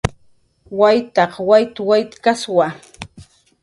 Waytaq waytaykaswa